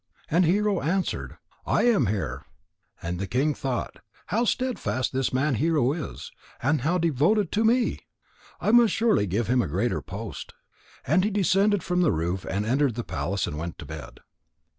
And Hero answered: "I am here." And the king thought: "How steadfast this man Hero is, and how devoted to me! I must surely give him a greater post." And he descended from the roof and entered the palace and went to bed.